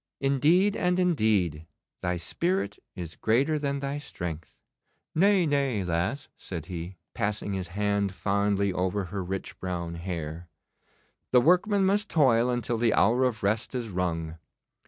'Indeed, and indeed, thy spirit is greater than thy strength.' 'Nay, nay, lass,' said he, passing his hand fondly over her rich brown hair. The workman must toil until the hour of rest is rung.